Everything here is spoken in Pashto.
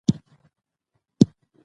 تکرار شوې کړنې زموږ د بدن پیغامونه دي.